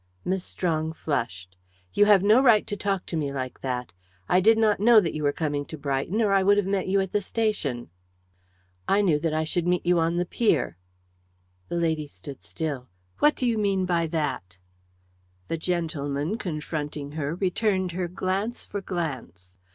Miss Strong flushed. "You have no right to talk to me like that. I did not know that you were coming to Brighton, or I would have met you at the station." "I knew that I should meet you on the pier." The lady stood still. "What do you mean by that?" The gentleman, confronting her, returned her glance for glance.